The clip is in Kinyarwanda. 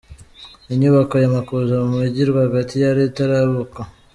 Inyubako ya Makuza mu Mujyi rwagati yari itarubakwa.